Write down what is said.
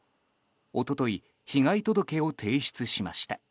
一昨日、被害届を提出しました。